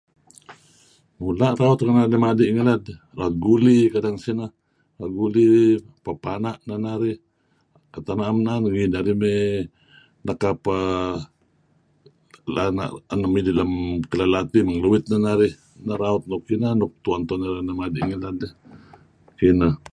Mula' tun teh raut narih renga' narih madi' ngilad, raut guli kedeh ngen sineh. Raut guli, pepana' neh narih, utak na'em na'en ngi neh narih mey nekap err edteh peh nuk midih lem kelelati iten narih mey ngeluit. Neh raut nuk ineh nuk tu'en-tu'en narih renga' narih madi' ngilad. Kineh.